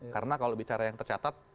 karena kalau bicara yang tercatat